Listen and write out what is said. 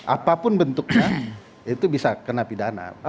apapun bentuknya itu bisa kena pidana